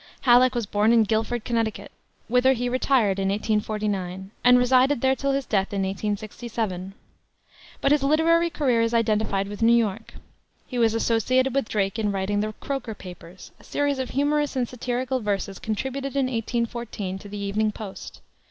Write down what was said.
Halleck was born in Guilford, Connecticut, whither he retired in 1849, and resided there till his death in 1867. But his literary career is identified with New York. He was associated with Drake in writing the Croaker Papers, a series of humorous and satirical verses contributed in 1814 to the Evening Post.